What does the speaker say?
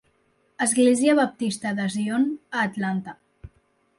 Església baptista de Zion a Atlanta.